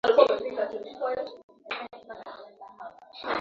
ndio wamembabikia mwanawe dawa hizo